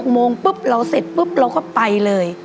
โมงปุ๊บเราเสร็จปุ๊บเราก็ไปเลย